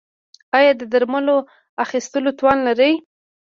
ایا د درملو اخیستلو توان لرئ؟